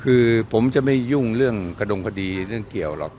คือผมจะไม่ยุ่งเรื่องกระดงคดีเรื่องเกี่ยวหรอก